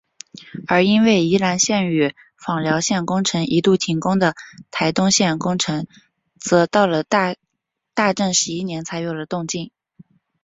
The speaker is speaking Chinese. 而因为宜兰线与枋寮线工程一度停工的台东线工程则到了大正十一年才又有动静。